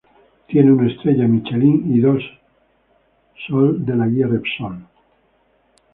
Tiene una estrella Michelin y dos sol de la Guía Repsol.